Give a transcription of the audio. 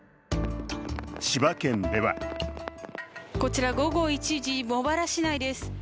千葉県ではこちら午後１時、茂原市内です。